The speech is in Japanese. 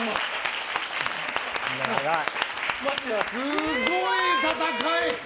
すごい戦い！